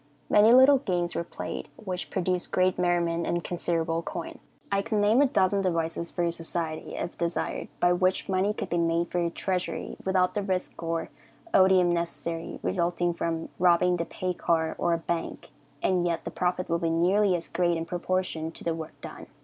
Many little games were played, which produced great merriment and considerable coin. I could name a dozen devices for your society, if desired, by which money could be made for your treasury, without the risk or odium necessarily resulting from robbing the pay car or a bank, and yet the profit will be nearly as great in proportion to the work done."